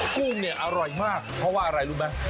กุ้งเนี่ยอร่อยมากเพราะว่าอะไรรู้ไหม